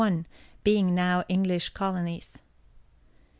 being now English Colonies.